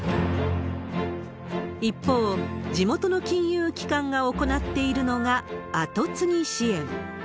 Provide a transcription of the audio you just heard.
一方、地元の金融機関が行っているのがアトツギ支援。